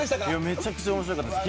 めちゃくちゃ面白かったです。